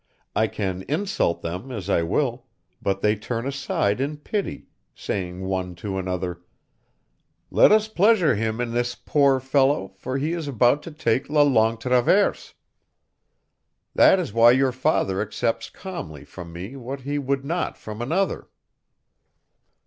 I can insult them as I will, but they turn aside in pity, saying one to another: 'Let us pleasure him in this, poor fellow, for he is about to take la Longue Traverse.' That is why your father accepts calmly from me what he would not from another."